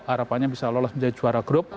harapannya bisa lolos menjadi juara grup